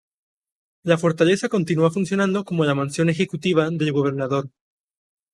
La Fortaleza continúa funcionando como la mansión ejecutiva del Gobernador.